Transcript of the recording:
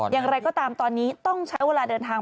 อย่างไรก็ตามตอนนี้ต้องใช้เวลาเดินทาง